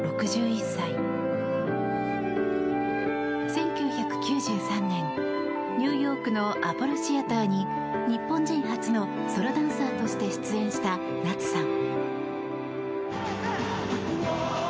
１９９３年、ニューヨークのアポロ・シアターに日本人初のソロダンサーとして出演した夏さん。